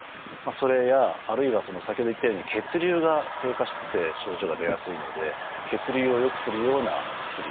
それやあるいは先ほど言ったように血流が低下してて症状が出やすいので血流を良くするような薬